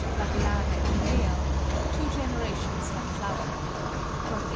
flagellare $ two generations have flowered; from H.